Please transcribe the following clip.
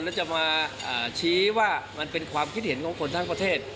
แล้วจะมาชี้ว่ามันเป็นความคิดเห็นของคนทั้งประเทศ